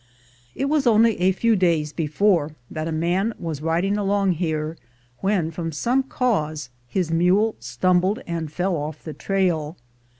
It was only a few days before that a man was riding along here, when, from some cause, his mule stumbled and fell off the trail.